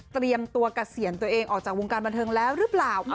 เตรียมตัวเกษียณตัวเองออกจากวงการบันเทิงแล้วหรือเปล่า